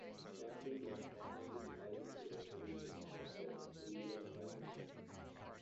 Carling was formerly married to the television presenter Julia Carling.